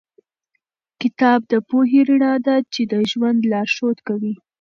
کتاب د پوهې رڼا ده چې د ژوند لارښود کوي.